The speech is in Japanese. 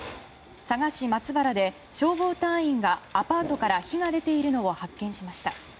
佐賀市松原で消防隊員がアパートから火が出ているのを発見しました。